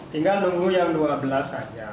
tinggal nunggu yang dua belas saja